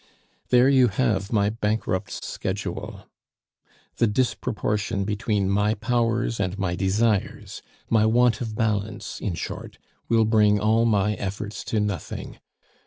"There you have my bankrupt's schedule. The disproportion between my powers and my desires, my want of balance, in short, will bring all my efforts to nothing.